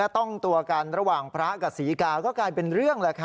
ต้องตัวกันระหว่างพระกับศรีกาก็กลายเป็นเรื่อง